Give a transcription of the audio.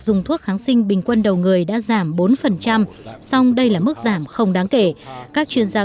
dùng thuốc kháng sinh bình quân đầu người đã giảm bốn song đây là mức giảm không đáng kể các chuyên gia